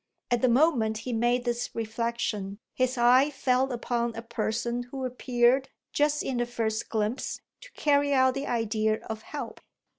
At the moment he made this reflexion his eye fell upon a person who appeared just in the first glimpse to carry out the idea of help.